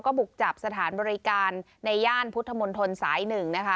ก็บุกจับสถานบริการในย่านพุทธมนตรสาย๑นะคะ